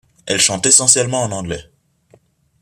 Elle chante essentiellement en anglais.